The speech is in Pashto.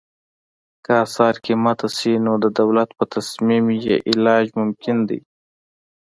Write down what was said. که اسعار قیمته شي نو د دولت په تصمیم یې علاج ممکن دی.